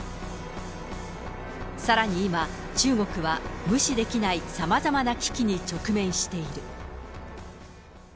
さらに今、中国は、無視できない、さまざまな危機に直面している。